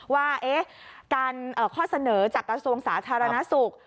ว่าการข้อเสนอจากกระทรวงสาธารณสุข